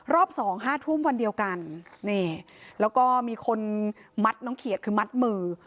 สองห้าทุ่มวันเดียวกันนี่แล้วก็มีคนมัดน้องเขียดคือมัดมือ